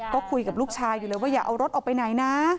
ก็คุยกับลูกชายอยู่เลยว่าอย่าเอารถออกไปไหนนะ